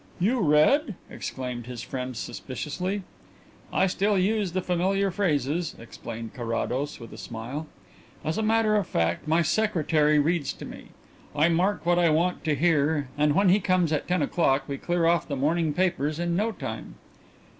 "You read?" exclaimed his friend suspiciously. "I still use the familiar phrases," explained Carrados, with a smile. "As a matter of fact, my secretary reads to me. I mark what I want to hear and when he comes at ten o'clock we clear off the morning papers in no time."